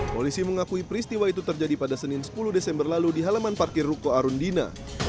ketika kemas kota kemas kota itu terjadi pada senin sepuluh desember lalu di halaman parkir ruko arundina